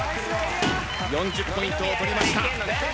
４０ポイントを取りました。